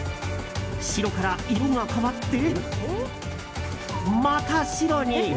白から色が変わって、また白に。